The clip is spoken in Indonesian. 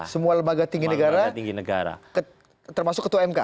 semua lembaga tinggi negara termasuk ketua mk